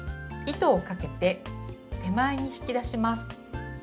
糸をかけて手前に引き出します。